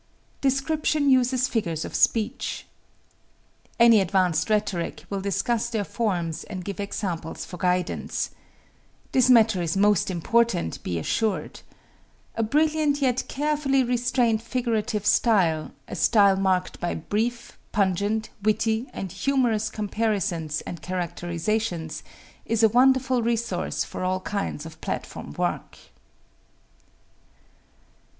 Description uses figures of speech. Any advanced rhetoric will discuss their forms and give examples for guidance. This matter is most important, be assured. A brilliant yet carefully restrained figurative style, a style marked by brief, pungent, witty, and humorous comparisons and characterizations, is a wonderful resource for all kinds of platform work.